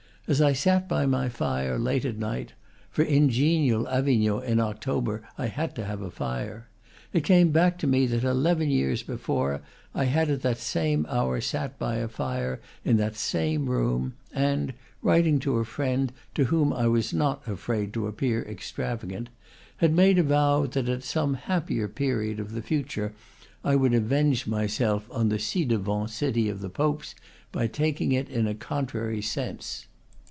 As I sat by my fire, late at night for in genial Avignon, in October, I had to have a fire it came back to me that eleven years before I had at that same hour sat by a fire in that same room, and, writ ing to a friend to whom I was not afraid to appear extravagant, had made a vow that at some happier period of the future I would avenge myself on the ci devant city of the Popes by taking it in a contrary sense.